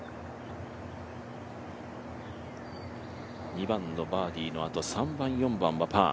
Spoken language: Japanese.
２番のバーディーのあと３番、４番はパー。